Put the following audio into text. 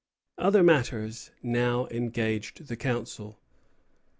Other matters now engaged the Council.